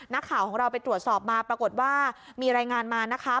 นักข่าวของเราไปตรวจสอบมาปรากฏว่ามีรายงานมานะคะ